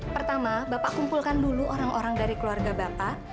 pertama bapak kumpulkan dulu orang orang dari keluarga bapak